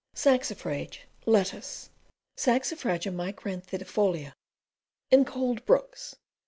Saxifrage, Lettuce. Saxifraga micranthidifolia. In cold brooks.